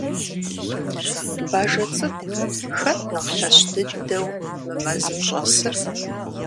Бажэ цӀыкӀу, хэт нэхъ лъэщ дыдэу мы мэзым щӀэсыр?